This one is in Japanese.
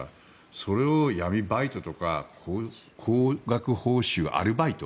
それを闇バイトとか高額報酬アルバイト